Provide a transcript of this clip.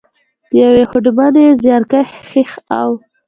، د یوې هوډمنې، زیارکښې او .